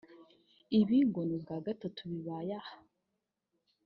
Ibi ngo ni ubwa gatatu bibaye aha